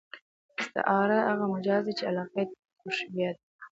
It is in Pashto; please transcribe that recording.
استعاره هغه مجاز دئ، چي علاقه ئې تشبېه يي.